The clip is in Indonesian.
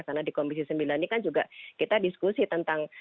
karena di komisi sembilan ini kan juga kita diskusi tentang